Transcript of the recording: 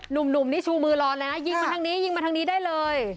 หนูบนี่ชู้มือร้อนนะยิงมาทางนี้ได้เลย